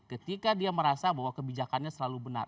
ketika dia merasa bahwa kebijakannya selalu benar